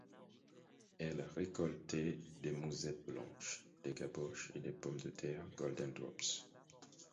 Elle récoltait des mouzettes blanches, des caboches et des pommes de terre Golden Drops.